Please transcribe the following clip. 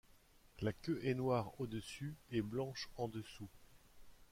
La queue est noire au-dessus et blanche en dessous.